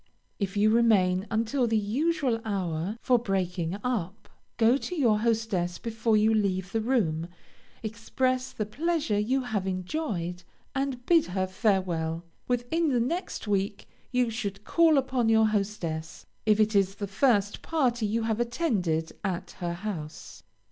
If you remain until the usual hour for breaking up, go to your hostess before you leave the room, express the pleasure you have enjoyed, and bid her farewell. Within the next week, you should call upon your hostess, if it is the first party you have attended at her house.